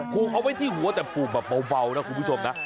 ผูกเอาไว้ที่หัวแต่ผูกแบบเบานะคุณผู้ชมนะ